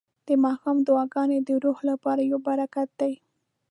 د ماښام دعاګانې د روح لپاره یو برکت دی.